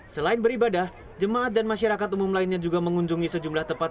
selain beribadah jemaat dan masyarakat umum lainnya juga mengunjungi sejumlah tempat